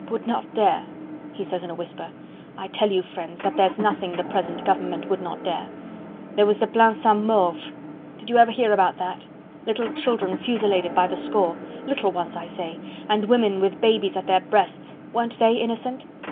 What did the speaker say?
"Would not dare?..." he says in a whisper. "I tell you, friends, that there's nothing the present government would not dare. There was the Plaine Saint Mauve... Did you ever hear about that?... little children fusilladed by the score... little ones, I say, and women with babies at their breasts ... weren't they innocent?...